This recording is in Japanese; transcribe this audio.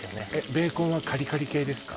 ベーコンはカリカリ系ですか？